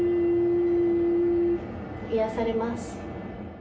癒やされます。